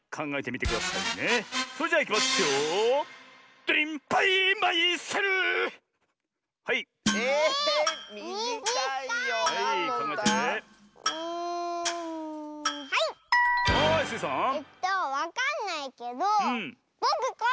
えっとわかんないけど「ぼくコッシー」？